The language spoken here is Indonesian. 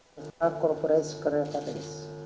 dan korporasi kreatoris